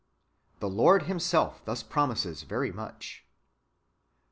^ The Lord Himself thus promises very much.